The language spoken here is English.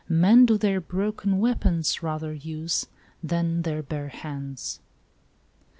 " Men do their broken weapons rather use, Than their bare hands."